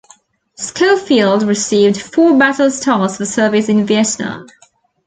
"Schofield" received four battle stars for service in Vietnam.